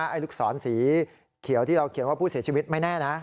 ลูกศรสีเขียวที่เราเขียนว่าผู้เสียชีวิตไม่แน่นะ